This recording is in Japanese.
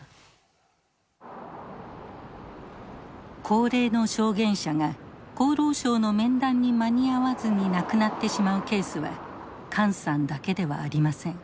高齢の証言者が厚労省の面談に間に合わずに亡くなってしまうケースは管さんだけではありません。